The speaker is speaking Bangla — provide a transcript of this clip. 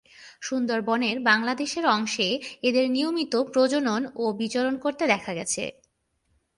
সুন্দরবনের বাংলাদেশ অংশে এদের নিয়মিত প্রজনন ও বিচরণ করতে দেখা গেছে।